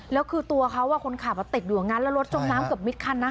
แล้วคือตัวเขาคนขับติดอยู่อย่างนั้นแล้วรถจมน้ำเกือบมิดคันนะ